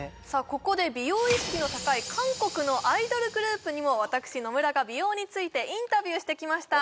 ここで美容意識の高い韓国のアイドルグループにも私野村が美容についてインタビューしてきました